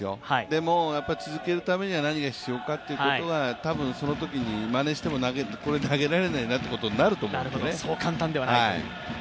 でも、続けるためには何が必要かということは、多分まねしたときに、まねしても投げられないなということになると思うのね。